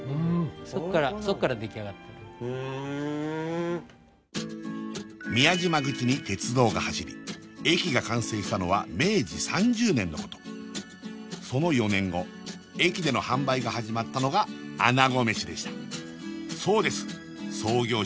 そっからそっから出来上がってるふん宮島口に鉄道が走り駅が完成したのは明治３０年のことその４年後駅での販売が始まったのがあなごめしでしたそうです創業者